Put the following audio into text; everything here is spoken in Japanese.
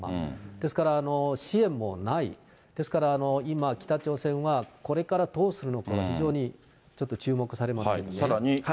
ですから、支援もない、ですから、今、北朝鮮はこれからどうするのかは、非常にちょっと注目されまさらに。